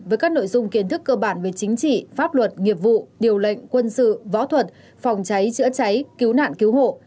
với các nội dung kiến thức cơ bản về chính trị pháp luật nghiệp vụ điều lệnh quân sự võ thuật phòng cháy chữa cháy cứu nạn cứu hộ